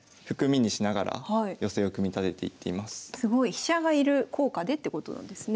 飛車がいる効果でってことなんですね。